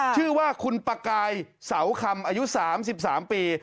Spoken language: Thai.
ชื่อว่าคุณประกายเสาคำอายุ๓๓ปี